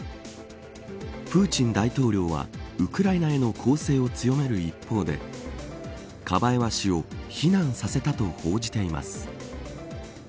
プーチン大統領はウクライナへの攻勢を強める一方でカバエワ氏を避難させたと報じています。